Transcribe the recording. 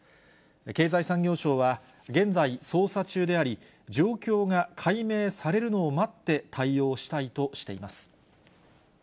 経済産業省は、現在、捜査中であり、状況が解明されるのを待って、対応したいとしています。